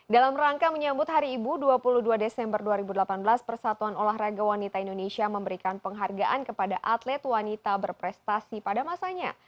dalam rangka menyambut hari ibu dua puluh dua desember dua ribu delapan belas persatuan olahraga wanita indonesia memberikan penghargaan kepada atlet wanita berprestasi pada masanya